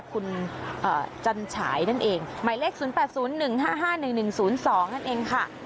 คุณจันฉายนั่นเองหมายเลข๐๘๐๑๕๕๑๑๐๒นั่นเองค่ะ